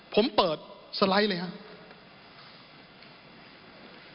ผมเปิดสไลด์เลยครับ